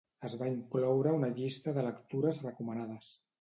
Es va incloure una llista de lectures recomanades.